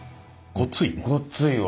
ごっついわ。